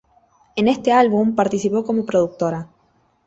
En este álbum participó como productora.